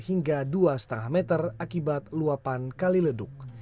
hingga dua lima meter akibat luapan kali leduk